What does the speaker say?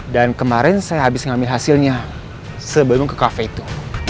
dan kemarin saya habis ngambil hasilnya sebelum ke cafe itu